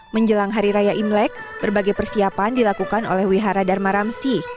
menjelang hari raya imlek berbagai persiapan dilakukan oleh wihara dharma ramsi